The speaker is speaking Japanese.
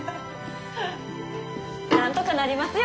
なんとかなりますよ